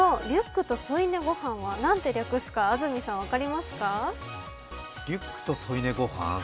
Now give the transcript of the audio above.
このリュックと添い寝ごはん何と略すか、安住さん、分かりますか？